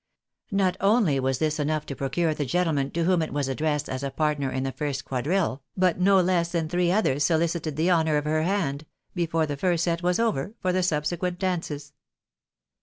Not only was this MRS. BARNABY IN HER PROPER SPHERE. 109 enough to procure tlie gentleman to whom it was addressed as a jiartner in the first quadrille, but no less than three oth^grs solicited the honour of her hand, before the first set was over, for the sub sequent dances.